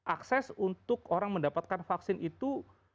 akses untuk orang mendapatkan vaksin itu